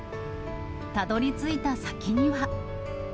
たどりついた先には。